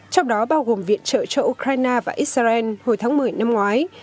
trong đó bao gồm viện trợ cho ukraine và israel hồi tháng một mươi năm ngoái